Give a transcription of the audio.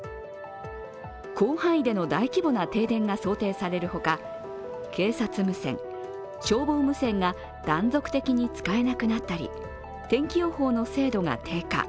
広範囲での大規模な停電が想定されるほか警察無線・消防無線が断続的に使えなくなったり、天気予報の精度が低下。